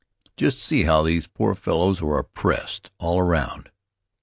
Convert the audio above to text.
Just see how these poor fellows are oppressed all around!